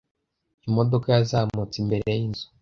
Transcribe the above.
Imodoka yazamutse imbere yinzu.